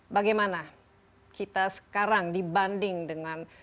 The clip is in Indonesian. bagaimana kita sekarang dibanding dengan